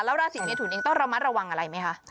ราศีเมทุนเองต้องระมัดระวังอะไรไหมคะ